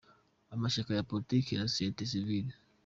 Amashyaka ya politiki na société civile